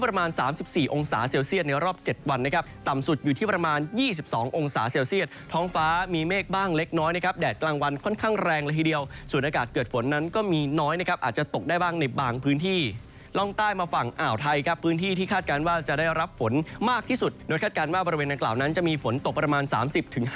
ประมาณ๓๔องศาเซลเซียตในรอบ๗วันนะครับต่ำสุดอยู่ที่ประมาณ๒๒องศาเซลเซียตท้องฟ้ามีเมฆบ้างเล็กน้อยนะครับแดดกลางวันค่อนข้างแรงละทีเดียวส่วนอากาศเกิดฝนนั้นก็มีน้อยนะครับอาจจะตกได้บ้างในบางพื้นที่ล่องใต้มาฝั่งอ่าวไทยครับพื้นที่ที่คาดการณ์ว่าจะได้รับฝนมากที่สุดโดยคาดการณ์ว่าบริเวณดังกล่าวนั้นจะมีฝนตกประมาณ๓๐๕